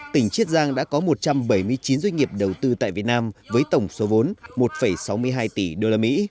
tỉnh chiết giang đã có một trăm bảy mươi chín doanh nghiệp đầu tư tại việt nam với tổng số vốn một sáu mươi hai tỷ đô la mỹ